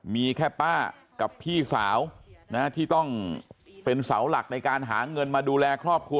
มีแค่ป้ากับพี่สาวที่ต้องเป็นเสาหลักในการหาเงินมาดูแลครอบครัว